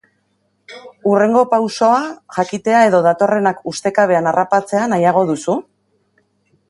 Hurrengo pausoa jakitea edo datorrenak ustekabean harrapatzea nahiago duzu?